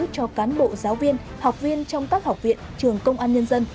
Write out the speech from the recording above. cho cán bộ giáo viên học viên trong các học viện trường công an nhân dân